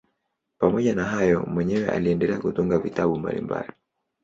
Pamoja na hayo mwenyewe aliendelea kutunga vitabu mbalimbali.